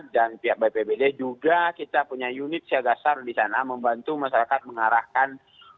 dan pihak bppd juga kita punya unit siaga sar di sana membantu masyarakat mengarahkan